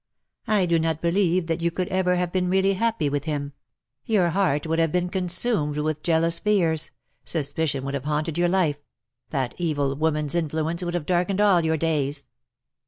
I do not believe that you could ever have been really happy with him. Your heart would have been consumed with jealous fears — suspicion would have haunted your life — that evil woman's influence would have darkened all your days.""